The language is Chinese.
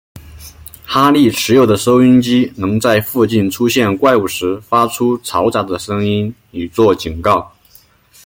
哈利持有的收音机能在附近出现怪物时发出嘈杂的声音以作警告。